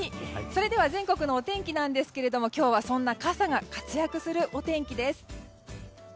それでは全国のお天気ですが今日はそんな傘が活躍するお天気です。